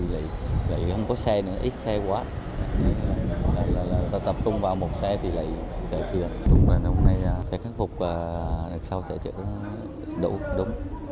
lúc này sẽ khắc phục và lần sau sẽ đủ